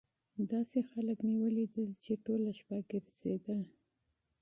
داسې خلک مې ولیدل چې ټوله شپه ګرځېدل.